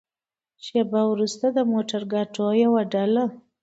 شېبه وروسته د موترګاټو يوه ډله.